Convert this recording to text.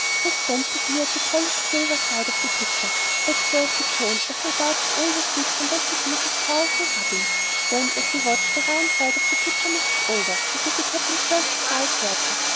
Chris bent to peer at the polished silver side of the pitcher. At first, it shone as no doubt it always did from Becky Boozer's powerful rubbing. Then, as he watched, the rounded side of the pitcher misted over, as if it had been filled with ice water.